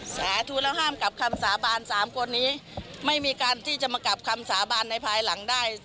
สาธุแล้วห้ามกลับคำสาบานสามคนนี้ไม่มีการที่จะมากลับคำสาบานในภายหลังได้